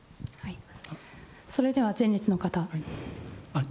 それでは前列の方。